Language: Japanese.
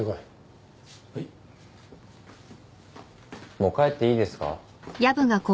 もう帰っていいですか？